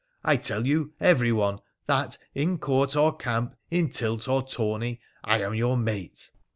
— I tell you everyone that, in court or camp, in tilt or tourney, I am your mate